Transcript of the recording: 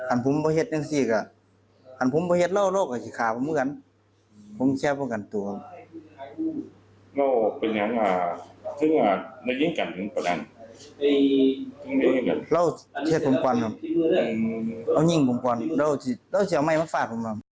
อันที่๖นิวสินค้า